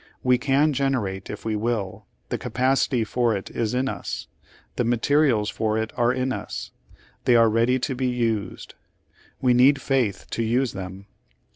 We can generate if we will; the capacity for it is in us; the materials for it are in us; they are ready to be used. We need faith to use them.